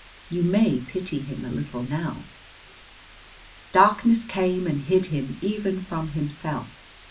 You may pity him a little now. Darkness came and hid him even from himself.